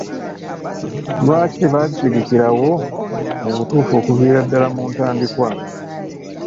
Lwaki tebakitegekerawo mu butuufu okuviira ddaala mu ntandikwa?